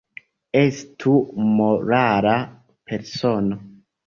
Estu morala persono.